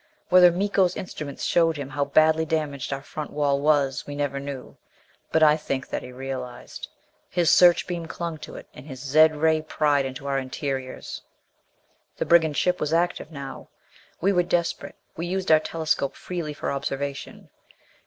Whether Miko's instruments showed him how badly damaged our front wall was, we never knew. But I think that he realized. His searchbeam clung to it, and his zed ray pried into our interiors. The brigand ship was active now. We were desperate; we used our telescope freely for observation.